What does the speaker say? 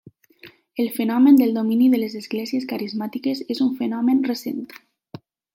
El fenomen del domini de les esglésies carismàtiques és un fenomen recent.